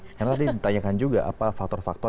karena tadi ditanyakan juga apa faktor faktor